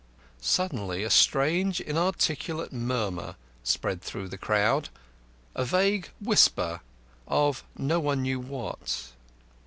Suddenly a strange inarticulate murmur spread through the crowd, a vague whisper of no one knew what.